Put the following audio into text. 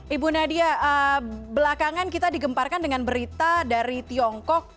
ibu nadia belakangan kita digemparkan dengan berita dari tiongkok